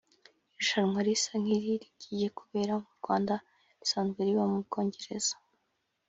Irushanwa risa nk’iri rigiye kubera mu Rwanda risanzwe riba mu Bwongereza